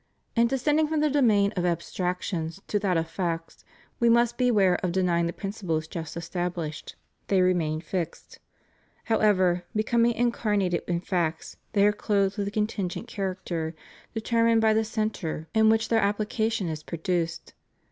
In descending from the domain of abstractions to that of facts, we must beware of denying the principles just established: they remain fixed. However, becom ing incarnated in facts, they are clothed wdth a contin gent character, determined by the centre in which their 256 ALLEGIANCE TO THE REPUBLIC. application is produced.